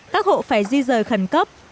các hộ phải di rời khẩn cấp